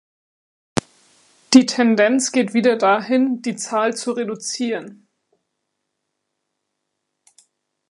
Die Tendenz geht wieder dahin, die Zahl zu reduzieren.